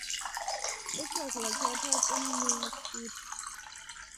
It was located in New York City.